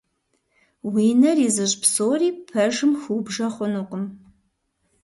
Уи нэр изыщӀ псори пэжым хыубжэ хъунукъым.